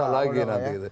susah lagi nanti